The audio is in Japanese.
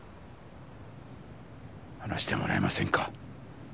話してもらえませんか？